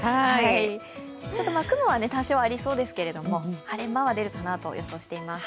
雲は多少ありそうですけれども、晴れ間は出るかなと予想しています。